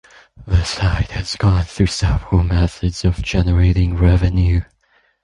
The site has gone through several methods of generating revenue.